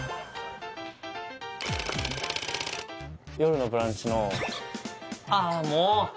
「よるのブランチ」のああもう！